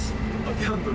ギャンブル？